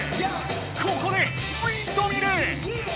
ここでウインドミル！